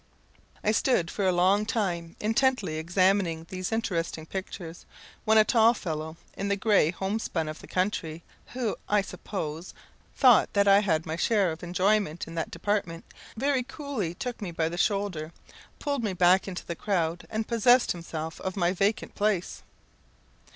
I stood for a long time intently examining these interesting pictures, when a tall fellow, in the grey homespun of the country, who, I suppose, thought that I had my share of enjoyment in that department, very coolly took me by the shoulders, pulled me back into the crowd, and possessed himself of my vacant place.